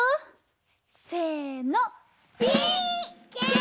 せの。